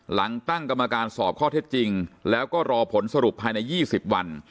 หลังตั้งกรรมการสอบข้อเท็จจริงแล้วก็รอผลสรุปภายใน๒๐วัน